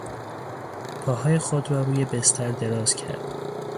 پاهای خود را روی بستر دراز کرد.